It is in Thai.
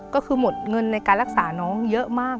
ก็คือหมดเงินในการรักษาน้องเยอะมาก